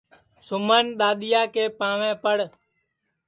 سُمن دؔادیا کے پاںٚوے پڑ